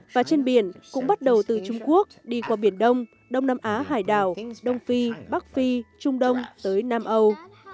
và trên biển cũng bắt đầu từ trung quốc đi qua biển đông đông nam á hải đảo đông phi bắc phi trung đông tới nam âu